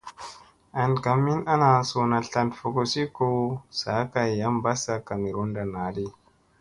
An ka min ana suuna tlan fogosi ko saa kay yam ɓassa kamerunda naɗi.